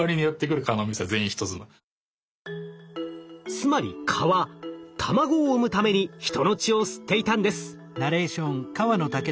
つまり蚊は卵を産むために人の血を吸っていたんです。